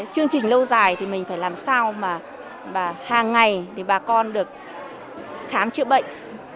chương trình lâu dài thì mình phải làm sao mà hàng ngày thì bà con được khám chữa bệnh